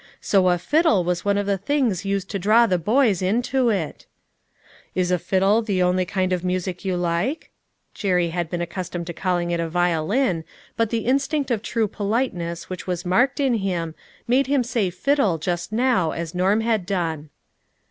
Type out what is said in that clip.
So a fiddle was one of the things used to draw the boys into it !" Is a fiddle the only kind of music you like ?" Jerry had been accustomed to calling it a violin, but the instinct of true politeness which was marked in him, made him say fiddle just now as Norm had done.